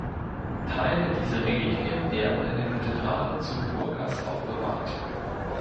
Teile diese Reliquien werde in der Kathedrale zu Burgas aufbewahrt.